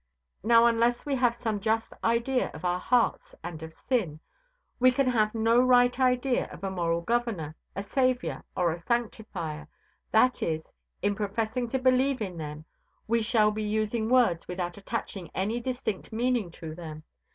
"Now, unless we have some just idea of our hearts and of sin, we can have no right idea of a Moral Governor, a Saviour, or a Sanctifier; that is, in professing to believe in them we shall be using words without attaching any distinct meaning to them.